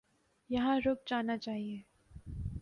یہاں رک جانا چاہیے۔